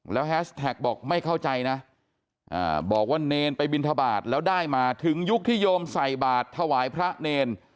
แล้วแฮชแท็กบอกไม่เข้าใจนะบอกว่าเนรไปบินทบาทแล้วได้มาถึงยุคที่โยมใส่บาทถวายพระเนร